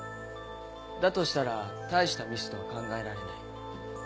だとしたら大したミスとは考えられない。